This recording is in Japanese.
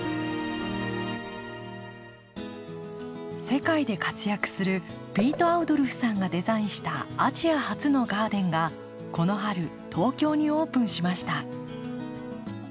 世界で活躍するピート・アウドルフさんがデザインしたアジア初のガーデンがこの春東京にオープンしました。